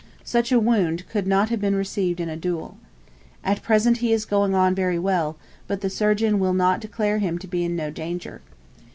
Such a wound could not have been received in a duel. At present he is going on very well, but the surgeon will not declare him to be in no danger.